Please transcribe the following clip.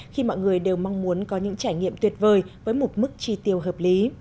khi mọi người đều mong muốn có những trải nghiệm tuyệt vời với một mức tri tiêu hợp lý